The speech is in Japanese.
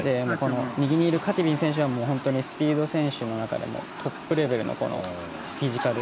右にいるカティビン選手はスピード選手の中でもトップレベルのフィジカル。